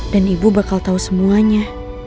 ibu bakal tahu semuanya